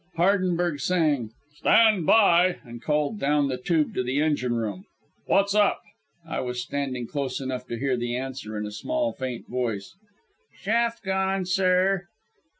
Hardenberg sang, "Stand by!" and called down the tube to the engine room. "What's up?" I was standing close enough to him to hear the answer in a small, faint voice: "Shaft gone, sir."